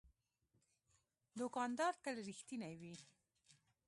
دوکاندار تل رښتینی وي.